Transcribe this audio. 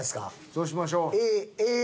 そうしましょう。